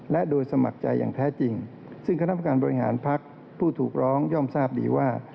และโดยสมัครใจอย่างแท้จริงซึ่งคณะประการบริหารพักผู้ถูกร้องย่อมทราบดีว่า